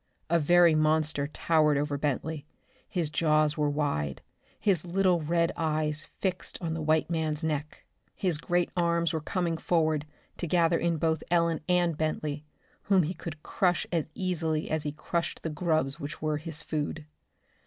A very monster towered over Bentley. His jaws were wide, his little red eyes fixed on the white man's neck. His great arms were coming forward to gather in both Ellen and Bentley whom he could crush as easily as he crushed the grubs which were his food.